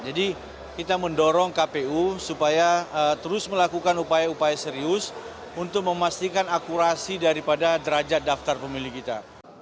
jadi kita mendorong kpu supaya terus melakukan upaya upaya serius untuk memastikan akurasi daripada derajat daftar pemilih kita